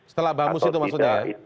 setelah bamus itu maksudnya